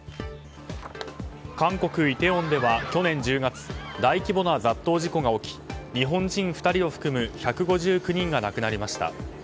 韓国イテウォンでは去年１０月大規模な雑踏事故が起き日本人２人を含む１５９人が亡くなりました。